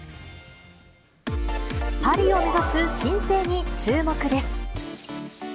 パリを目指す新星に注目です。